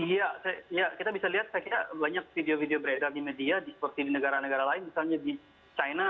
iya kita bisa lihat saya kira banyak video video beredar di media seperti di negara negara lain misalnya di china